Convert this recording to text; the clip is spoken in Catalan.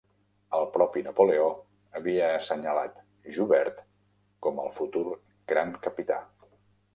El propi Napoleó havia assenyalat Joubert com el futur gran capità.